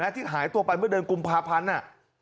ที่หายตัวไปเมื่อเดือนกุมภาพันธ์